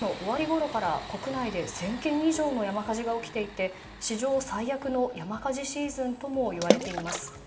そして、カナダでは５月の終わりごろから国内で１０００件以上の山火事が起きていて史上最悪の山火事シーズンともいわれています。